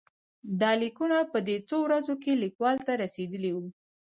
دا لیکونه په دې څو ورځو کې لیکوال ته رسېدلي وو.